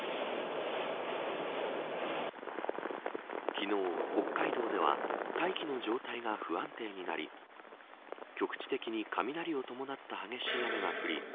昨日、北海道では大気の状態が不安定になり局地的に雷を伴った激しい雨が降り